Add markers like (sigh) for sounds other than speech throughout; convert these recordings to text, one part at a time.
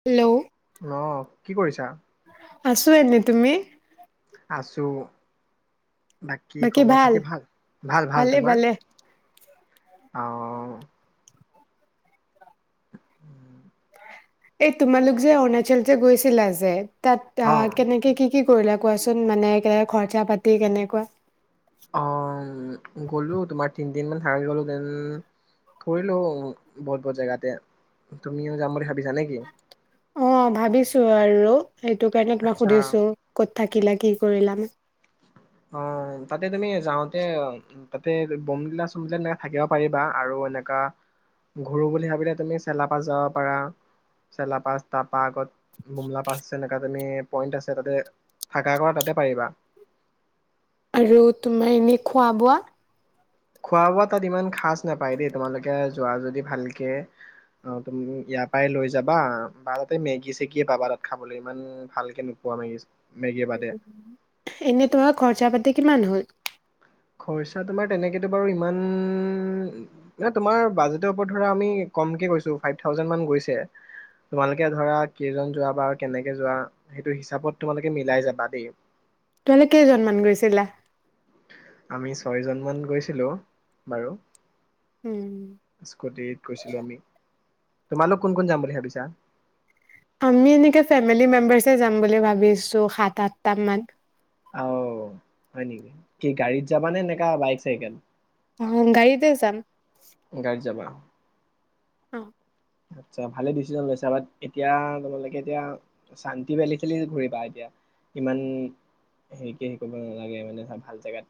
Hello অ কি কৰিছা? আছো এনে তুমি? আছোঁ। বাকী খবৰ খাতি ভাল। ভাল ভাল ভালে তোমাৰ? ভালে অহ। উম এই তোমালোক যে অৰুণাচল যে গৈছিলা যে? তাত অ কেনেকে কি কি কৰিলা কোৱাচোন মানে কে খৰচা পাতি কেনেকোৱা অ গলো তোমাৰ তিনিদিনমান থাকাকে গ'লোঁ দেন ফুৰিলো বহুত বহুত জেগাতে তুমিও যাম বুলি ভাবিছা নেকি অ ভাবিছো আৰু সেইটো কাৰণে তোমাক আচ্ছা সুধিছো কত থাকিলে কি কৰিলাম অ তাতে তুমি যাওঁতে তাতে বোমলিলা চোমমিলা নাই থাকিব পাৰিবা আৰু এনেকা ঘূৰো বুলি ভাবিলে তুমি চেলা পাছ যাব পাৰা চেলাপাছ তাৰপা আগত বোমলা পাছ এনে তুমি পইণ্ট আছে তাতে থাকা কৰা তাতে পাৰিবা আৰু তোমাৰ এনে খোৱা বোৱা খোৱা বোৱা তাত ইমান খাচ নাপায় দেই তোমালোকে যোৱা যদি ভালকে অ তুমি ইয়াৰ পৰাই লৈ যাবা বা তাতে মেগি চেগি পাবা তাত খাবলৈ ইমান ভালকে নোপোৱা মেগি এনে তোমাৰ খৰচা পাতি কিমান হ'ল খৰচা তোমাৰ তেনেকেতো বাৰু ইমান এ তোমাৰ বাজেটৰ ওপৰত ধৰা আমি কমকে কৈছো ফাইভ থাউজেণ্ড মান গৈছে তোমালোকে ধৰা কেইজন যোৱা বা কেনেকে যোৱা সেইটো হিচাপত তোমালোকে মিলাই যাবা দেই তোমালোক কেইজনমান গৈছিলা আমি ছয় জনমান গৈছিলো বাৰু উম, স্কুটিত গৈছিলো আমি তোমালোক কোন কোন যাম বুলি ভাৱিছা আমি এনেকে ফেমেলি মেম্বৰচ হে যাম বুলি ভাবিছো সাত আঠটা মান অহ হয় নেকি কি গাড়ীত যাবা নে এনেকা বাইক চাইকত অ গাড়ীতে যাম গাড়ীত যাবা অ আচ্ছা ভালে ডিচিশন লৈছা বাট এতিয়া তোমালোকে এতিয়া শান্তি বেলি চেলি ঘূৰিবা এতিয়া ইমান হেৰি কি হেৰি কৰিব নালাগে মানে ভাল জেগাত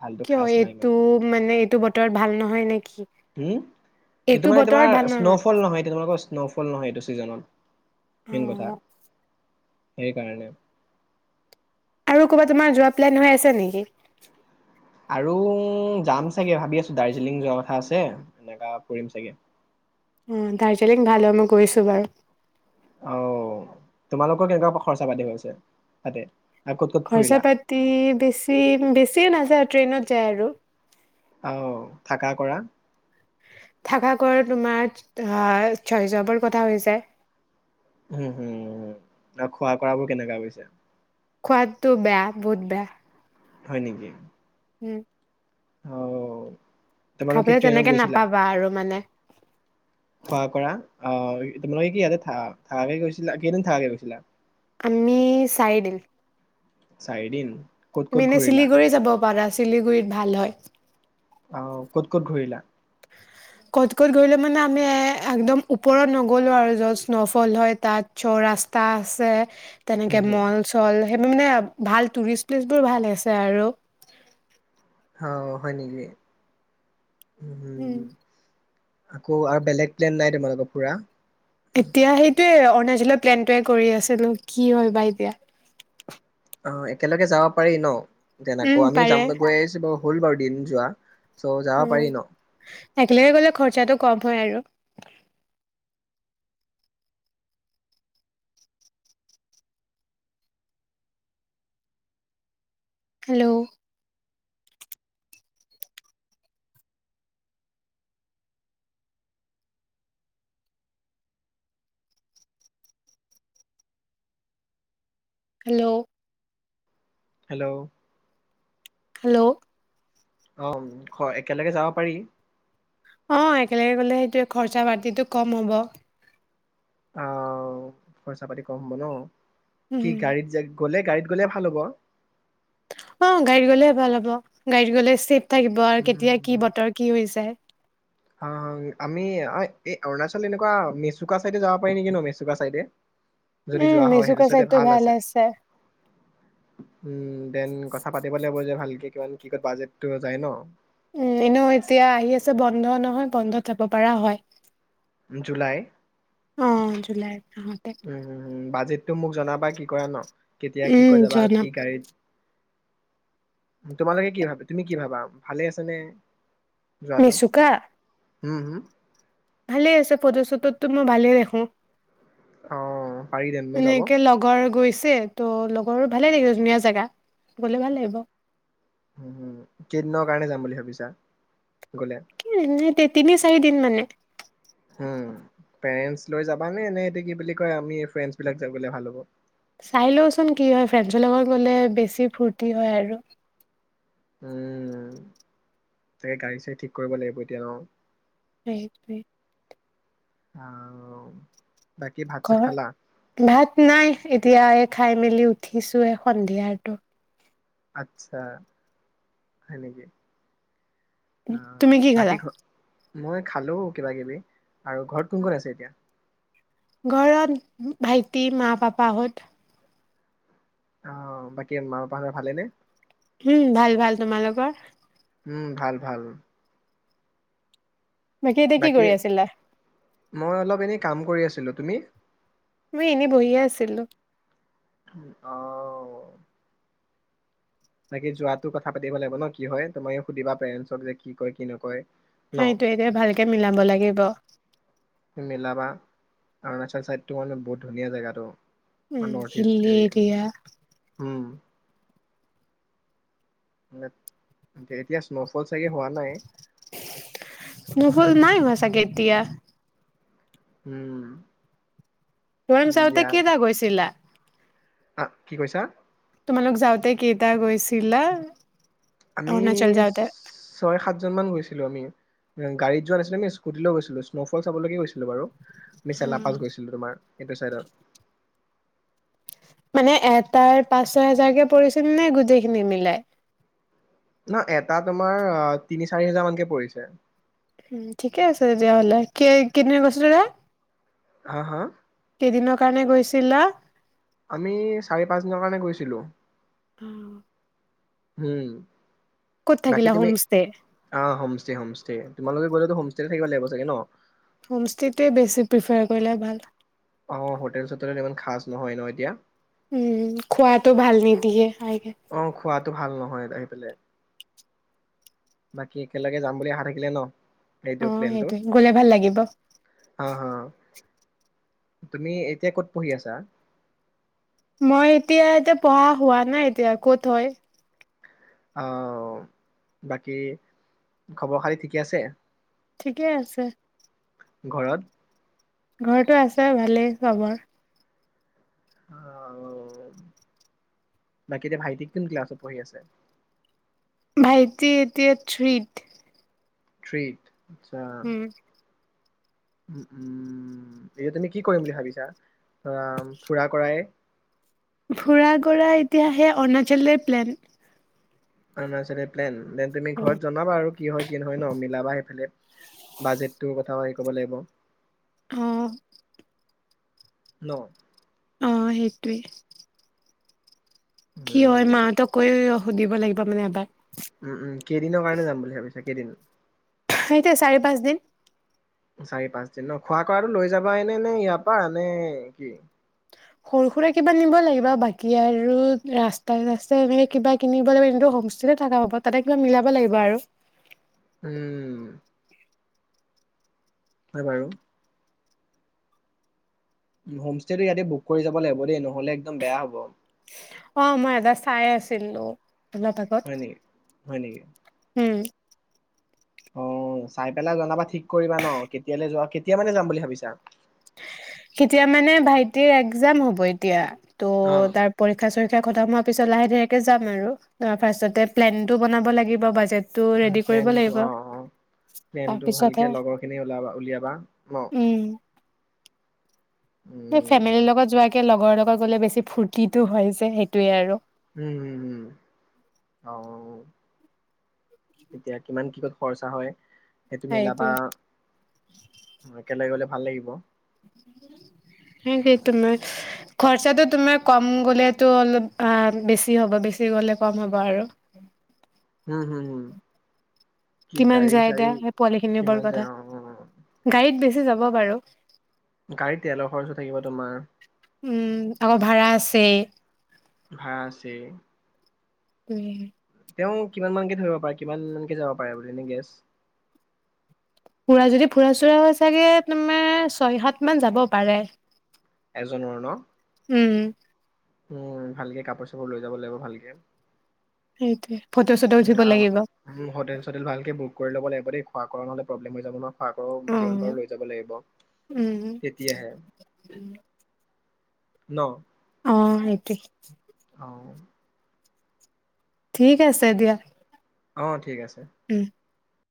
ভালতো কিয় খাচ নাই ইমান এইটো মানে এইটো বতৰত ভাল নহয় নেকি উম টো এইটো মানে বতৰত তোমাৰ ভাল স্ন'ফল নহয় এতিয়া তোমালোকৰ স্ন'ফল নহয় এইটো ছিজনত মেইন কথা অ', সেই কাৰণে আৰু ক'ৰবাত তোমাৰ যোৱা প্লেন হৈ আছে নেকি আৰু যাম চাগে ভাবি আছো দাৰ্জিলিং যোৱা কথা আছে এনেকা কৰিম চাগে অ দাৰ্জিলিং ভাল হয় মই গৈছো বাৰু অহ তোমালোকৰ কেনেকোৱা খৰচা পাতি গছে তাতে আৰু ক'ত ক'ত খৰচা ফুৰিলা পাতি বেছি বেছিও‌ নাযায় ট্ৰেইনত যায় আৰু আহ থাকা কৰা থাকা ঘৰ তোমাৰ আহ ছয়জৱৰ কথা হৈ যায় উম হুম আৰু খোৱা কৰা বোৰ কেনেকা গৈছে খোৱাদটো বেয়া বহুত বেয়া হয় নেকি উম অ তোমালোক কি খাবলে ট্ৰেইনত তেনেকে গৈছিলা নাপাবা আৰু মানে। অ', তোমালোকে কি যাতাই থ থাকাকে গৈছিলা? কেই দিন থাকাকে গৈছিলা? আমি চাৰি দিন। চাৰি দিন। তুমি এনে শিলিগুৰি যাব পৰা। শিলিগুৰিত ভাল হয়। আও, ক'ত ক'ত ঘূৰিলা? কত, কত গৈলে মানে আমি এ আকদন ওপৰত নগলো আৰু যত স্নৌফাল হয়, তাত যোৱা ৰাস্তা আছে। হম তেনেকৈ হম মল্ল চল্ল। হাইবুৰ মানে ভাল টুৰিষ্ট প্লেচবোৰ ভাল আছে আৰু। অ', হয় নিকি। উম। আকৌ আৰু বেলেগ প্লন নাই তোমালোকৰ পুৰা? এতিয়া সেইটোৱেই অৰুণাচলৰ প্লান ট্ৰাই কৰি আছিলোঁ কি হয় বা এতিয়া। অ', একেলগে যাব পাৰি ন। তেনেকুৱা, উম আমি পাৰে জাম গৈ আহিছোঁ বাৰু হ'ল বাৰু দিন যোৱা। চ' যাব উম, পাৰি ন একেলগে গ'লে খৰচটো কম হয় আৰু। হেল্লো। হেল্লো। হেল্লো। হেল্লো। অ', একেলগে যাব পাৰি। অ', একেলগে গলে হত্যাই খৰচা প্ৰতিটো কম হব। অৱ পইচা পাতি কম হব ন। কি উম গৰিত জেগ গ'লে গাড়ীত গ'লে ভাল হ'ব। অ', গাড়ীত গ'লে ভাল হ'ব গাড়ীত গ'লে চিত থাকিব, আৰু কেতিয়া কি বতৰ কি হৈ জাই। হা-হা আমি এই অৰুণাচল তেনেকুৱা মেচুকা চিদেই যাব পাৰি নেকি ন মেচুকা চিদেই। যদি উম, যোৱা হয় মেচুকা চিদেই এই চাইডটো ভাল আছে, উম দেন কথা পাতিব লাগিব যে ভালকে। কিমান কি কত বোধেটটো জাই ন। উম, এনেও এতিয়া আহি আছে বন্ধ নহয় বন্ধত যাব পৰা হয়। জুলাই। অ', জুলাই মহতেই। তুমি মোক জনাবা কি কৰা ন। কেতিয়া কি কৈ যাবা, আৰু জনাম। কি গাৰিত। তোমালোকে কি ভাবা তুমি কি ভাবা ভালে আছে নে নিচুকা উহ উহ ভালে আছে ফটো চটো টো মই ভালে দেখো অ পাৰি তেনতে যাব এনেকে লগৰ গৈছে, ত' লগৰ ভালে লাগিছে ধুনীয়া জেগা গলে ভাল লাগিব উম কেইদিনৰ কাৰণে যাম বুলি ভাবিছা গ'লে তিনি চাৰিদিন মানে উ পেৰেনচ লৈ যাব নে ন এতি কি বুলি কয় আমি ফ্ৰেচ বিলাক যাবলৈ ভাল হ'ব চাই লওচোন কি হয় ফ্ৰেছৰ লগত গলে বেছি ফূৰ্তি হয় আৰু উম তাকে গাড়ী চাড়ী ঠিক কৰিব লাগিব এতিয়া অ সেইটোৱে আও ঘৰ ভাত নাই এতিয়া খাই মেলি উঠিছোয়ে সন্ধিয়াতো আচ্ছা হয় নেকি আহ, তুমি কি বাকী খালা ঘ মই খালো কিবা কিবি আৰু ঘৰত কোন কোন আছে এতিয়া। ঘৰত ভাইটি মা পাপা হত আহ বাকী মা পাপাৰ হতৰ ভালে নে উম ভাল ভাল তোমালোকৰ উম ভাল ভাল এতিয়া কি বাকী কৰি আছিলা? মই অলপ এনে কাম কৰি আছিলোঁ তুমি মই এনে বহিয়ে আছিলোঁ আও বাকি যোৱাতো কথা পাতিব লাগিব ন কি হয় তুমি সুধিবা পেৰেনচ যে কি কয় কি নকয় ন? সেইটোয়ে যে ভালকে মিলাব লাগিব মিলাবা অৰুণাচল চাইদতটো মানে বহুত ধুনীয়া জেগাতটো উম, নৰ্থ ইষ্ট হিলি এৰি দিয়া উম এতিয়া স্ন'ফল চাগে হোৱা নাই নহ'ল নাই চাগে এতিয়া উহ ওৱাঙ যাওঁতে কেইটা গৈছিলা আ কি কৈছা? তোমালোক যাওতে কেইটা গৈছিলা। আমি অৰুণাচল যাওঁতে? ছয় সাত। জন মান গৈছিলো আমি গাড়ীত যোৱা নাছিলো আমি স্কুটি লৈ গৈছিলো স্ন'ফল চাবলৈকে গৈছিলো বাৰু। মিচেলা পাছ গৈছিলো তোমাৰ এইটো চাইডত। মানে এটাৰ পাঁচ ছয় হেজাৰকে পৰিছিল নে গোটেইখিনি মিলাই। ন এটা তোমাৰ তিনি চাৰি হোজাৰ মানকে পৰিছে। ঠিকে আছে তেতিয়াাহ'লে কি কেতিয়া গৈছিলা। হা হা। কেইদিনৰ কাৰণে গৈছিলা। আমি চাৰি পাঁচদিনৰ কাৰণে গৈছিলোঁ। উম হম। বাকী থাকিলা তুমি হোম ষ্টে? অ হমষ্টে হমষ্টে তোমালোকে গ'লেটো। তেতে থাকিব লাগিব চাগে ন। হোমষ্টেটোৱে বেছি প্ৰিফাৰ কৰিলে ভাল। অ হোটেল চোটেল ইমান খাজ নহয় ন এতিয়া। উম খোৱাটো ভাল নি দিয়ে। অ খোৱাতো ভাল নহয় ত। বাকী একেলগে যাম বুলি আশা থাকিলে ন। সেইটো অ প্লেনটো সেইটোৱে গলে ভাল লাগিব। হা হা তুমি এতিয়া ক'ত পঢ়ি আছা? মই এতিয়া এতিয়া পঢ়া হোৱা নাই এতিয়া ক'ত হয়! আহ বাকী খবৰ খাতি ঠিকে আছে। ঠিকেই আছে। ঘৰত। ঘৰটো আছে ভালেই চবৰ। আহ বাকী এতি ভাইটিক কোন ক্লাছত পঢ়ি আছে। ভাইটি এতিয়া থ্ৰীত। থ্ৰীত। আচ্ছা! উম উ উম এতিয়া তুমি কি কৰিম বুলি ভাবিছা ফুৰা কৰাই। ফোঁৰা গৰা এতিয়া সে অৰুণাচললৈ প্লেন। অ ন চে প্লেন দেন তুমি ঘৰত জনাবা আৰু। কি হয় কি নহয় ন মিলাবা সেইফালে বাজেটটোৰ কথাও আহে ক'ব লাগিব। আহ। ন। অ সেইটোৱে। কি হয় মা উম হতক কৈ অ! সুধিব লাগিব মানে এবাৰ। উম উম কেইদিনৰ কাৰণে যাম বুলি ভাবিছে এইকেইদিন এইটোয়ে চাৰি পাঁচ দিন চাৰি পাঁচ দিন ন খোৱা কৰাটো লৈ যাবাইনে নে ইয়াৰ পৰা নে কি সৰু সুৰা কিবা নিব লাগিব বাকী আৰু ৰাস্তাই ৰাস্তাই এনেকে কিবা কিনিব লাগিব হোমষ্টেতে থকা হব তাতে কিবা মিলাব লাগিব আৰু উম হয় বাৰু হোম ষ্টেটো ইয়াতে বুক কৰি যাব লাগিব দেই নহ'লে একদম বেয়া হ'ব অ মই এটা চাই আছিলো ওলাই থাকক হয় নেকি? হয় নেকি? উম অ চাই পেলাই জনাবা ঠিক কৰিবা ন কেতিয়ালৈ যোৱা কেতিয়া মানে যাম বুলি ভাবিছা কেতিয়া মানে ভাইটিৰ একজাম হ'ব এতিয়া ত' অ', তাৰ পৰীক্ষা চৰীক্ষা পৰীক্ষা খতম হোৱা পিছত লাহে ধীৰেকে যাম আৰু তাৰ ফাৰ্ষ্টতে প্লেন টো বনাব লাগিব বাজেট প্লেনটো অ অ প্লেনটো তাৰপিছতহে ভালকে লগৰখিনি ওলাবা উলিয়াবা ন উম, ফেমিলি লগত যোৱেকে লগ লগৰ লগত গ'লে বেছি ফূৰ্তিটো হৈ যে সেইটোৱে আৰু উম উম উম আৰু এতিয়া কিমান কিহত খৰচা হয় সেইটো মিলাবা সেইটোয়ে একেলগে গলে ভাল লাগিব সেই সেই তোমাৰ খৰচাটো তোমাৰ কম গ'লেতো অলপ বেছি হ'ব বেছি গলে কম হ'ব আৰু উম হম হম কি কিমান গাড়ী যায় চাড়ী এতিয়া সেই পোৱালি খিনি কিমান ওপৰত কথা যায় অ গাড়ীত বেছি যাব বাৰু গাড়ীত তেলৰ খৰচো থাকিব তোমাৰ উম আকৌ (unintelligible) ভাৰা আছেই উম তেওঁ কিমান মানকে ধৰিব পাৰে কিমান মানকে যাব পাৰে এনি গেছট ফুৰা যদি ফুৰা চুৰা হৈ চাগে তোমাৰ ছয় সাত মান যাব পাৰে এজনৰ ন উম উম ভালকে কাপোৰ চাপোৰ লৈ যাব লাগিব ভালকে সেইটোৱ অ হোটেল চোটেল ভালকে বুক কৰি ল'ব লাগিব গতিকে খোৱা কৰা মানে প্ৰব্লেম হৈ যাব ন তাকো জিমান পাৰো লৈ যাব লাগিব উম তেতিয়াহে ন অঁঃ সেইটো অ ঠিক আছে দিয়া অঁঃ ঠিক আছে উম